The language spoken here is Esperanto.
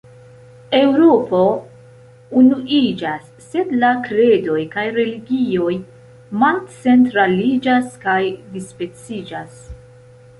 Eŭropo unuiĝas, sed la kredoj kaj religioj malcentraliĝas kaj dispeciĝas.